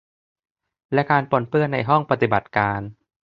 และการปนเปื้อนในห้องปฏิบัติการ